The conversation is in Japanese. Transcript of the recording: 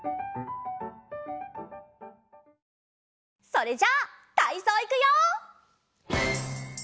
それじゃたいそういくよ！